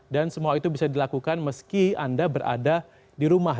dan semua itu bisa dilakukan meski anda berada di rumah